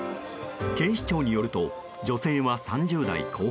警視庁によると女性は３０代後半。